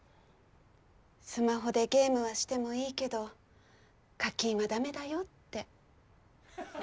スマホでゲームはしてもいいけど課金は駄目だよって。